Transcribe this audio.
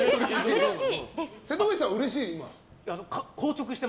瀬戸口さんはうれしい？